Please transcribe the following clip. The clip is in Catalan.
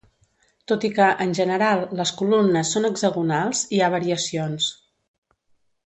Tot i que, en general, les columnes són hexagonals, hi ha variacions.